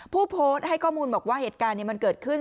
ผู้โพสต์ให้ข้อมูลบอกว่าเหตุการณ์มันเกิดขึ้น